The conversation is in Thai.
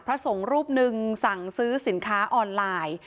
พระสงฆ์รูปหนึ่งสั่งซื้อสินค้าออนไลน์